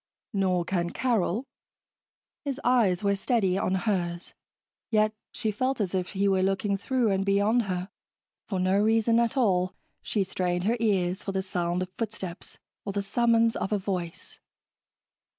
"Nor can Carol." His eyes were steady on hers, yet she felt as if he were looking through and beyond her. For no reason at all, she strained her ears for the sound of footsteps or the summons of a voice.